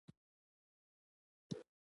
کلي د ناحیو ترمنځ تفاوتونه رامنځ ته کوي.